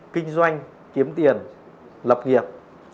kinh doanh kiếm tiền lập nghiệp